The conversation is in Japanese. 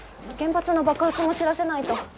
原発の爆発も知らせないと。